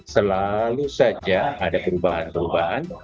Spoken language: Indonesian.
selalu saja ada perubahan perubahan